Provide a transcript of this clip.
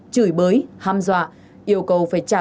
chửi bới ham dọa yêu cầu phải trả